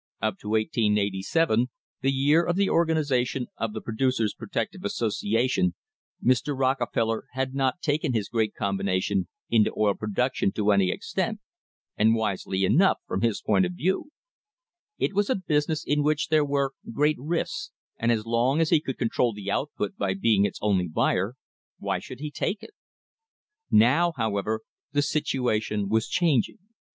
Up to 1887, the year of the organisation of the * See Chapter IX. A MODERN WAR FOR INDEPENDENCE Producers' Protective Association, Mr. Rockefeller had not taken his great combination into oil production to any ex tent, and wisely enough from his point of view. It was a business in which there were great risks, and as long as he could control the output by being its only buyer, why should he take them? Now, however, the situation was changing.